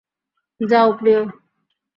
যাও, প্রিয়!